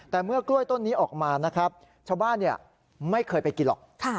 แต่เมื่อกล้วยต้นนี้ออกมานะครับชาวบ้านไม่เคยไปกินหรอก